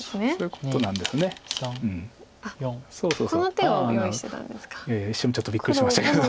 いやいや一瞬ちょっとびっくりしましたけど。